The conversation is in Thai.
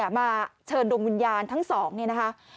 มาเชิญดวงวิญญาณทั้งสองเนี่ยนะคะ